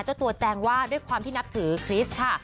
เจ้าตัวแจงว่าด้วยความที่นับถือคริสต์ค่ะ